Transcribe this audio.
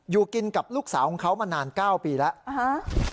อยู่กินกับลูกสาวของเขามานาน๙ปีแล้ว